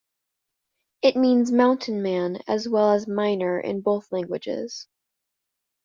It means "mountain man" as well as "miner" in both languages.